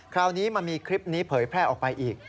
คราวนี้มันมีคลิปนี้เผยแพร่ออกไปอีก